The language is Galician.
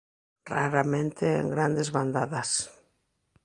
Raramente en grandes bandadas.